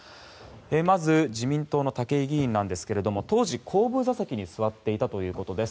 まず自民党の武井議員なんですが当時、後部座席に座っていたということです。